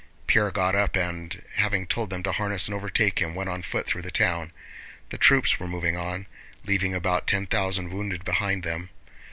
Pierre got up and, having told them to harness and overtake him, went on foot through the town. The troops were moving on, leaving about ten thousand wounded behind them.